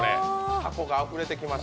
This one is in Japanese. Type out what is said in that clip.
たこがあふれてきました。